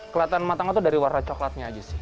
kelataan matangnya tuh dari warna coklatnya aja sih